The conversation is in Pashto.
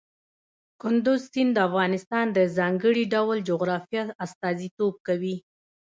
کندز سیند د افغانستان د ځانګړي ډول جغرافیه استازیتوب کوي.